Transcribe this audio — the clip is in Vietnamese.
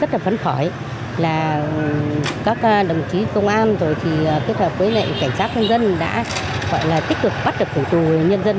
rất là phấn khởi là các đồng chí công an rồi thì kết hợp với lệ cảnh sát nhân dân đã gọi là tích cực bắt được của tù nhân dân